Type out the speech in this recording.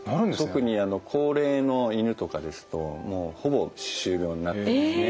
特にあの高齢の犬とかですともうほぼ歯周病になっていますね。